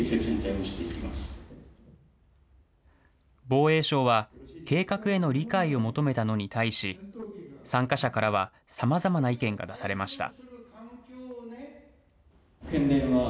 防衛省は、計画への理解を求めたのに対し、参加者からは、さまざまな意見が出されました。